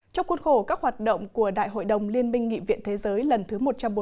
trong cuốn khổ các hoạt động của đại hội đồng liên minh nghị viện thế giới lần thứ một trăm bốn mươi